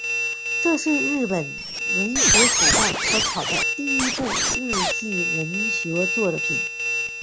这是日本文学史上可考的第一部日记文学作品。